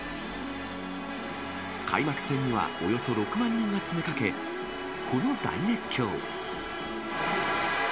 開幕戦にはおよそ６万人が詰めかけ、この大熱狂。